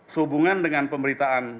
sehubungan dengan pemberitaan